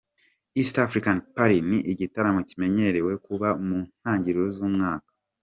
East African Party ni igitaramo kimenyerewe kuba mu ntangiriro z’umwaka.